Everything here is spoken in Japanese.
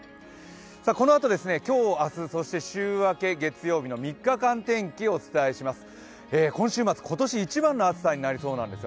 このあと今日明日、そして週明け月曜日の３日間天気をお届けします。